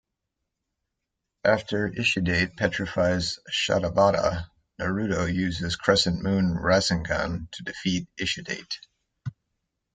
After Ishidate petrifies Shadabada, Naruto uses the Crescent Moon Rasengan to defeat Ishidate.